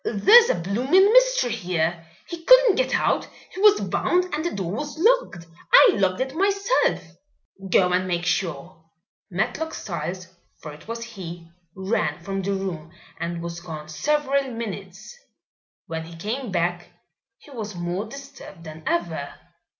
"There's a bloomin' mystery here. He couldn't get out! He was bound and the door was locked I locked it myself." "Go and make sure." Matlock Styles, for it was he, ran from the room and was gone several minutes. When he came back he was more disturbed than ever.